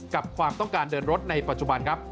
ความต้องการเดินรถในปัจจุบันครับ